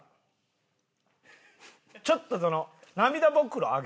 ちょっとその。